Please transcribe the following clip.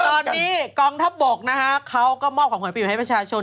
ตอนนี้กองทัพบกนะครับเขาก็มอบของขวัญปีใหม่ให้ประชาชน